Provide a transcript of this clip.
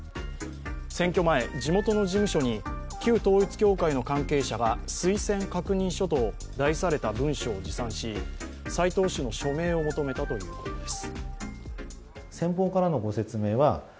選挙前、地元の事務所に旧統一教会の関係者が「推薦確認書」と題された文書を持参し斎藤氏の署名を求めたということです。